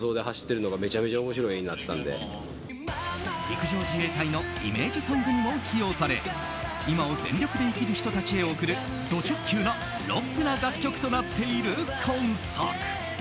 陸上自衛隊のイメージソングにも起用され今を全力で生きる人たちへ贈るド直球なロックな楽曲となっている今作。